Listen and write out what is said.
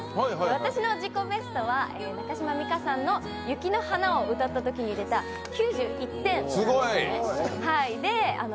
私の自己ベストは中島美嘉さんの「雪の華」を歌ったときに出た９１点なんですね。